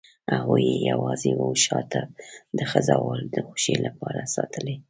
هغوی یې یوازې وه شاته د خزهوالو د خوښۍ لپاره ساتلي.